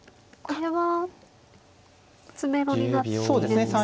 そうですね。